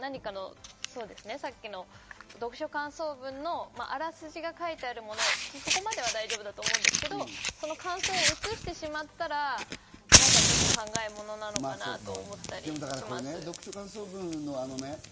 読書感想文のあらすじが書いてあるもの、そこまでは大丈夫だと思うんですが、感想を写してしまったら、ちょっと考えものなのかなと思ったりします。